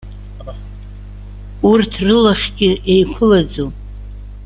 Урҭ рылахьгьы еиқәылаӡом.